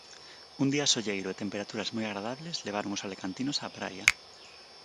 Un día solleiro e temperaturas moi agradables levaron os alacantinos á praia.